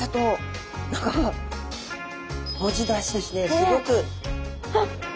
すごく。